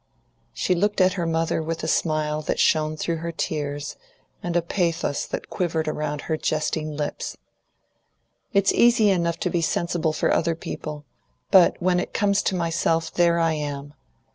She looked at her mother with a smile that shone through her tears, and a pathos that quivered round her jesting lips. "It's easy enough to be sensible for other people. But when it comes to myself, there I am!